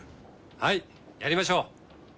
はいやりましょう。